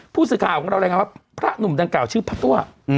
ผู้สื่อข่าวของเรารายงานว่าพระหนุ่มดังกล่าชื่อพระตัว